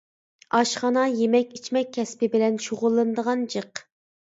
ئاشخانا، يېمەك-ئىچمەك كەسپى بىلەن شۇغۇللىنىدىغان جىق.